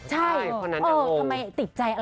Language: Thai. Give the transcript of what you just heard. ใช่ติดใจอะไรพี่อ้าม